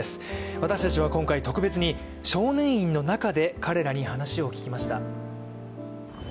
私たちは今回、特別に少年院の中で彼らに話を聞きました。